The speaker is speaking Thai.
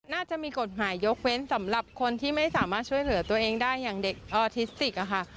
น่าจะมีกฎหมายยกเว้นสำหรับคนที่ไม่สามารถช่วยเหลือตัวเองได้อย่างเด็กออทิสติกอะค่ะ